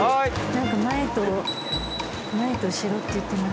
なんか「前と後ろ」って言ってますね。